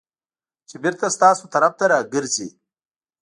چې بېرته ستاسو طرف ته راګرځي .